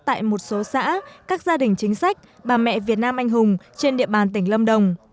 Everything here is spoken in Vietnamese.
tại một số xã các gia đình chính sách bà mẹ việt nam anh hùng trên địa bàn tỉnh lâm đồng